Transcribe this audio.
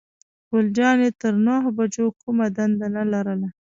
ګل جانې تر نهو بجو کومه دنده نه لرله.